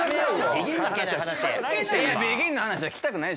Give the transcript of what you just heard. ＢＥＧＩＮの話は聞きたくない。